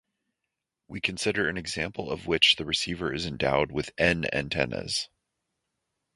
We consider an example of which the receiver is endowed with N antennas.